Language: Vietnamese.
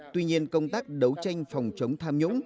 tuy nhiên công tác đấu tranh phòng chống tham nhũng